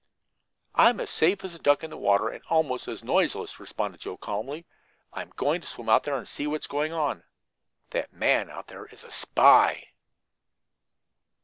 "I'm as safe as a duck in the water, and almost as noiseless," responded Joe calmly. "I'm going to swim out and see what is going on. That man out there is a spy!"